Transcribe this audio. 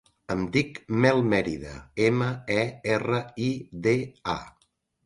Em dic Mel Merida: ema, e, erra, i, de, a.